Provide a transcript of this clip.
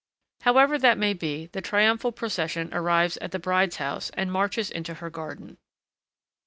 However that may be, the triumphal procession arrives at the bride's house and marches into her garden.